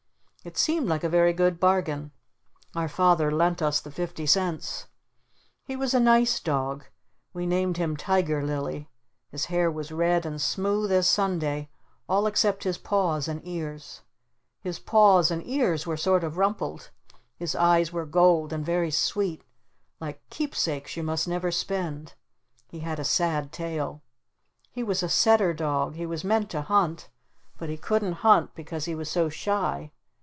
It seemed like a very good bargain. Our Father lent us the fifty cents. He was a nice dog. We named him Tiger Lily. His hair was red and smooth as Sunday all except his paws and ears. His paws and ears were sort of rumpled. His eyes were gold and very sweet like keepsakes you must never spend. He had a sad tail. He was a setter dog. He was meant to hunt. But he couldn't hunt because he was so shy.